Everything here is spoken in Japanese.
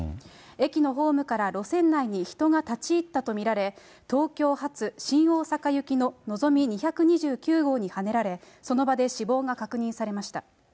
駅のホームから路線内に人が立ち入ったと見られ、東京発新大阪行きののぞみ２２９号にはねられ、その場で死亡が確認されました。